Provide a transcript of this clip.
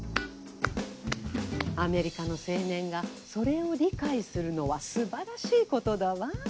アメリカの青年がそれを理解するのは素晴らしいことだわ。